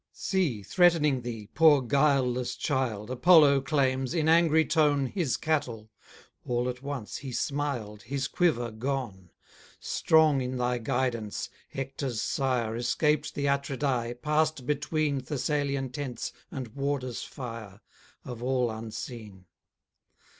See, threatening thee, poor guileless child, Apollo claims, in angry tone, His cattle; all at once he smiled, His quiver gone. Strong in thy guidance, Hector's sire Escaped the Atridae, pass'd between Thessalian tents and warders' fire, Of all unseen.